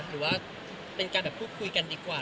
หรือว่าเป็นการแบบพูดคุยกันดีกว่า